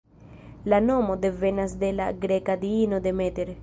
La nomo devenas de la greka diino Demeter.